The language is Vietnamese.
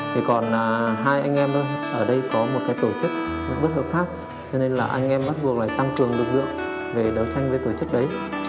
thì còn hai anh em ở đây có một cái tổ chức bất hợp pháp cho nên là anh em bắt buộc là tăng cường lực lượng để đấu tranh với tổ chức đấy